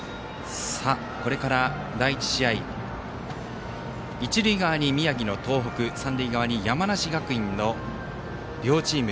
これから第１試合一塁側、宮城の東北三塁側に山梨学院の両チーム